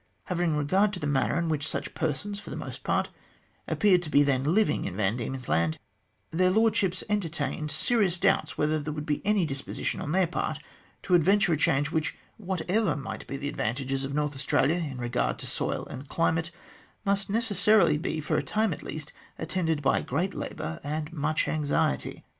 Having regard to the manner in which such persons, for the most part, appeared to be then living in Van Diemen's Land, their Lordships entertained serious doubts whether there would be any disposition on their part to adventure a change which, whatever might be the advantages of North Australia in regard to soil and climate, must necessarily be, for a time at least, attended by great labour and much anxiety.